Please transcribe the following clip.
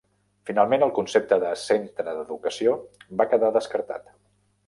Finalment, el concepte de "Centre d"educació" va quedar descartat.